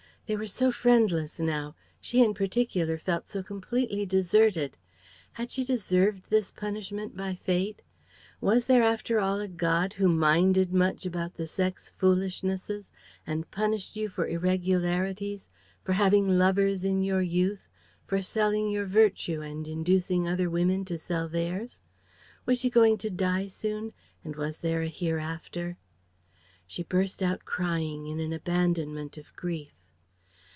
They were so friendless now, she in particular felt so completely deserted. Had she deserved this punishment by Fate? Was there after all a God who minded much about the sex foolishnesses and punished you for irregularities for having lovers in your youth, for selling your virtue and inducing other women to sell theirs? Was she going to die soon and was there a hereafter?' She burst out crying in an abandonment of grief.